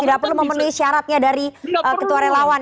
tidak perlu memenuhi syaratnya dari ketua relawan